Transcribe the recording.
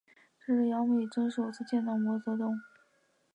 这是杨美真首次见到毛泽东。